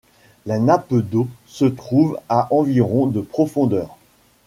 La nappe d'eau se trouve à environ de profondeur.